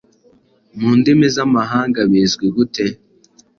Mu ndimi z’amahanga bizwi gute